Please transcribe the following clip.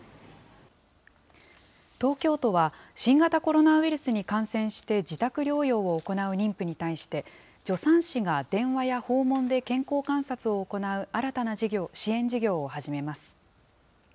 東京都は、新型コロナウイルスに感染して自宅療養を行う妊婦に対して、助産師が電話や訪問で健康観察を行う新たな支援事業を始めます。